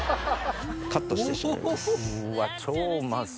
カットしてしまいます。